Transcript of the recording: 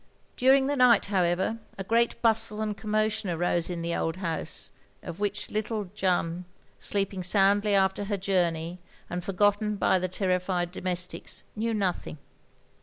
During the night, however, a great bustle and commotion arose in the old house, of which little Jeanne, sleeping soundly after her journey, and forgotten by the terrified domestics, knew nothing.